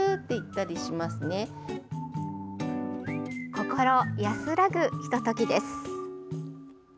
心安らぐひと時です。